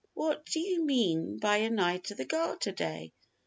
"What do you mean by a Knight of the Garter day?"